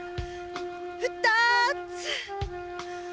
ふたつ！